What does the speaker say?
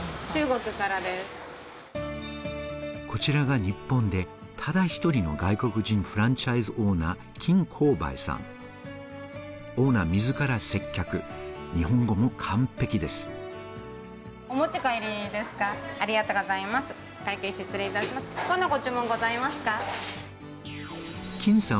こちらが日本でただ１人の外国人フランチャイズオーナー、金香梅さん。